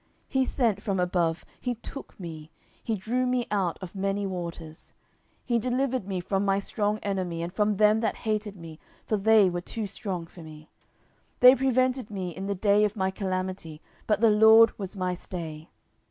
10:022:017 He sent from above, he took me; he drew me out of many waters; 10:022:018 He delivered me from my strong enemy, and from them that hated me: for they were too strong for me. 10:022:019 They prevented me in the day of my calamity: but the LORD was my stay.